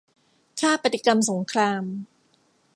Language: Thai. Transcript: ค่าปฏิกรรมสงคราม